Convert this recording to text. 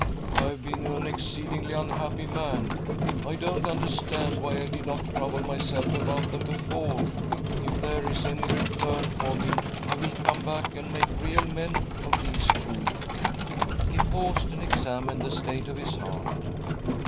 " I've been an exceedingly unhappy man. I don't understand why I did not trouble myself about them before. If there is any return for me, I will come back and make real men of these two." He paused and examined the state of his heart.